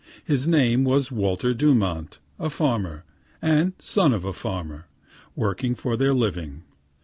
His name was Walter Dumont, a farmer, and son of a farmer, working for their living.